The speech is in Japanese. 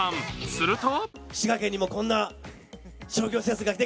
すると。